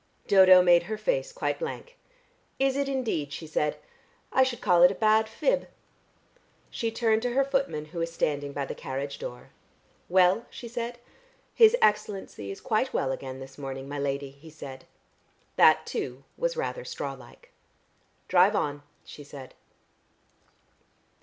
Dodo made her face quite blank. "Is it indeed?" she said. "I should call it a bad fib." She turned to her footman who was standing by the carriage door. "Well?" she said. "His Excellency is quite well again this morning, my lady," he said. That too was rather straw like. "Drive on," she said.